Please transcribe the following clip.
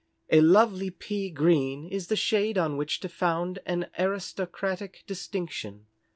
A lovely pea green is the shade on which to found an aristocratic distinction.